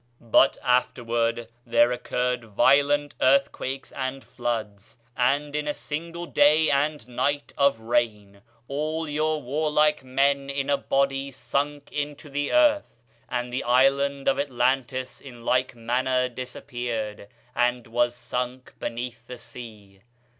But afterward there occurred violent earthquakes and floods, and in a single day and night of rain all your warlike men in a body sunk into the earth, and the island of Atlantis in like manner disappeared, and was sunk beneath the sea.